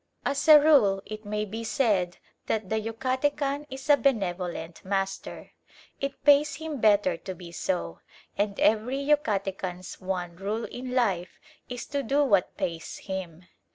As a rule it may be said that the Yucatecan is a benevolent master. It pays him better to be so, and every Yucatecan's one rule in life is to do what pays him.